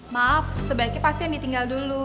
maaf sebaiknya pasien ditinggal dulu